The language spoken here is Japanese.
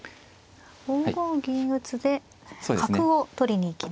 ５五銀打で角を取りに行きました。